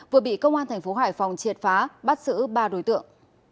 vừa bị công an tp hải phòng triệt phá bắt giữ ba đối tượng